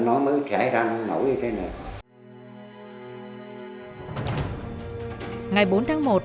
nó mới trải ra nổi như thế này